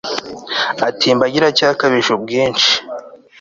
ati iyi mbaga iracyakabije ubwinshi